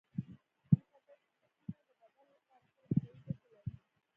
د خټکي تخمونه د بدن لپاره ښه روغتیايي ګټې لري.